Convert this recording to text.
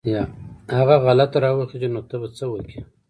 هغه غلط راوخېژي نو ته به څه وکې.